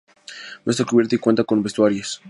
No está cubierta y cuenta con vestuarios.